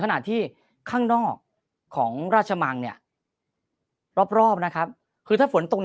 ขณะที่ข้างนอกของราชมังเนี่ยรอบรอบนะครับคือถ้าฝนตกหนัก